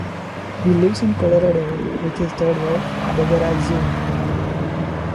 He lives in Colorado with his third wife, Deborah Jean.